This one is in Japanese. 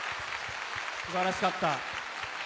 素晴らしかった。